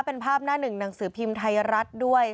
เป็นภาพหน้าหนึ่งหนังสือพิมพ์ไทยรัฐด้วย